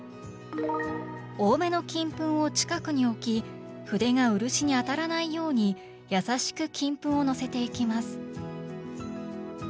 多めの金粉を近くに置き筆が漆に当たらないように優しく金粉をのせていきます。